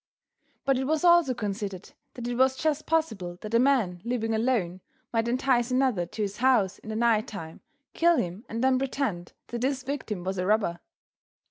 But it was also considered that it was just possible that a man living alone might entice another to his house in the night time, kill him and then pretend that his victim was a robber.